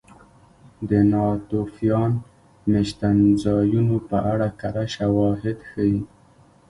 د ناتوفیان مېشتځایونو په اړه کره شواهد ښيي